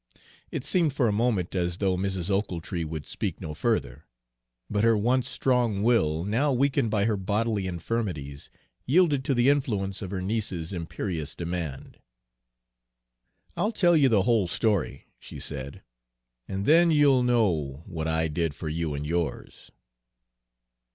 It seemed for a moment as though Mrs. Ochiltree would speak no further: but her once strong will, now weakened by her bodily infirmities, yielded to the influence of her niece's imperious demand. "I'll tell you the whole story," she said, "and then you'll know what I did for you and yours."